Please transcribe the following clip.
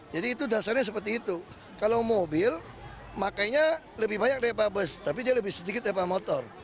jadi itu dasarnya seperti itu kalau mobil makanya lebih banyak depan bus tapi dia lebih sedikit depan motor